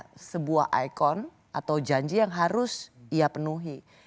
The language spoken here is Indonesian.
ada sebuah ikon atau janji yang harus ia penuhi